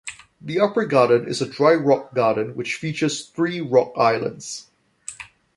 The upper garden is a dry rock garden which features three rock islands.